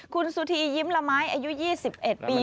คุณสุธียิ้มละไม้อายุ๒๑ปี